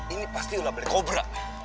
ini pasti ulah balik kobra